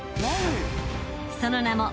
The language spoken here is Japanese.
［その名も］